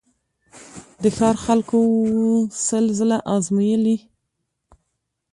د ښار خلکو وو سل ځله آزمېیلی